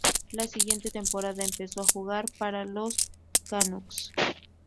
La siguiente temporada empezó a jugar para los Canucks.